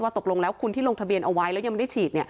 ตกลงแล้วคุณที่ลงทะเบียนเอาไว้แล้วยังไม่ได้ฉีด